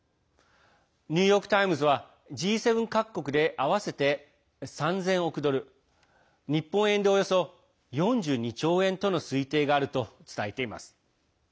ニューヨーク・タイムズはＧ７各国で合わせて３０００億ドル日本円で、およそ４２兆円との推定があると伝えています。